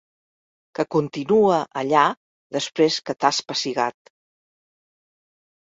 Que continua allà després que t'has pessigat.